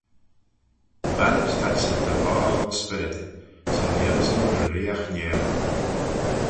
Bannit t'adsyn ta boght ayns spyrryd: son lhieusyn reeriaght niau.